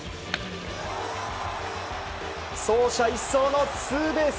走者一掃のツーベース。